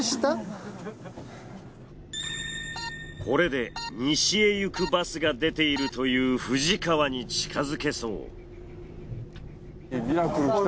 これで西へ行くバスが出ているという富士川に近づけそう。